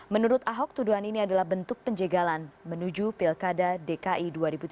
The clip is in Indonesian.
menurut ahok tuduhan ini adalah bentuk penjagalan menuju pilkada dki dua ribu tujuh belas